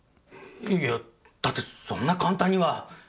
いやだってそんな簡単には。